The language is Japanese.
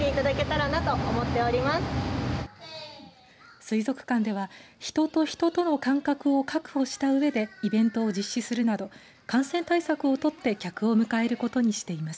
水族館では、人と人との間隔を確保したうえでイベントを実施するなど感染対策を取って客を迎えることにしています。